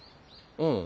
うん。